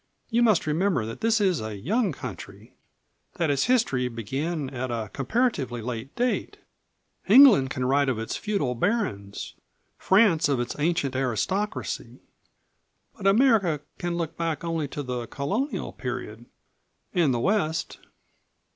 You must remember that this is a young country; that its history began at a comparatively late date. England can write of its feudal barons; France of its ancient aristocracy; but America can look back only to the Colonial period and the West."